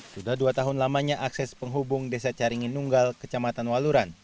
sudah dua tahun lamanya akses penghubung desa caringinunggal kecamatan waluran